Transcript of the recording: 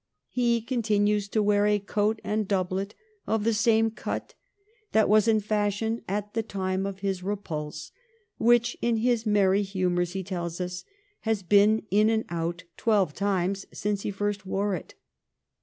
' He continues to wear a coat and doublet of the same cut that was in fashion at the time of his repulse, which, in his merry humours, he tells us, has been in and out twelve times since he first wore it.'